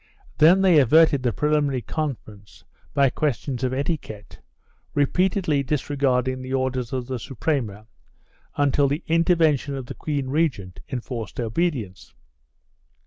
Then they averted the preliminary conference by questions of etiquette, repeatedly disregarding the orders of the Suprema, until the intervention of the queen regent enforced obedience.